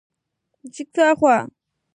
بیزو له انسانانو سره ډېره ورته والی نه لري.